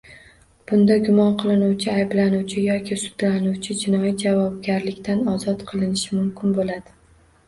Bunda gumon qilinuvchi, ayblanuvchi yoki sudlanuvchi jinoiy javobgarlikdan ozod qilinishi mumkin bo‘ldi.